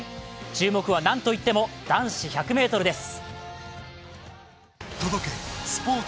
注目はなんといっても男子１００ｍです。